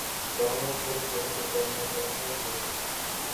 Dono — bir joyda, dangasa — har joyda.